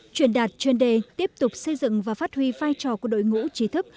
truyền đạt chuyên đề tiếp tục xây dựng và phát huy vai trò của đội ngũ trí thức